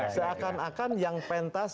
seakan akan yang pentas